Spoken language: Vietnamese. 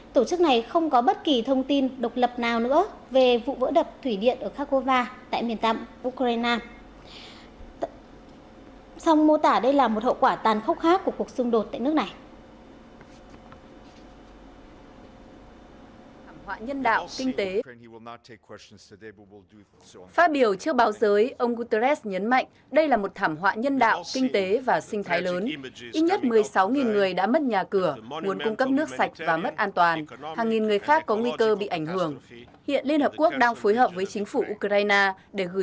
tổ chức này không có bất kỳ thông tin độc lập nào nữa về vụ vỡ đập thủy điện ở kharkova tại miền tạm ukraine